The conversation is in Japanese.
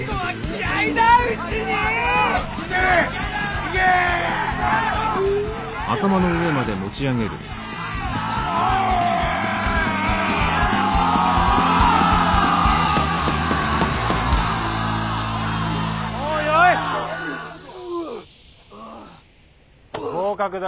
合格だ。